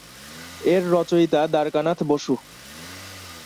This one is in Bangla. এর রচয়িতা দ্বারকানাথ বসু।